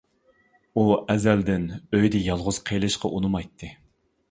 ئۇ ئەزەلدىن ئۆيدە يالغۇز قېلىشقا ئۇنىمايتتى.